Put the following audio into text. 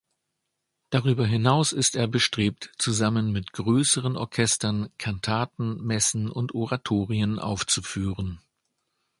Darüber hinaus ist er bestrebt, zusammen mit größeren Orchestern Kantaten, Messen und Oratorien aufzuführen.